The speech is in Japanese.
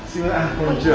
・こんにちは。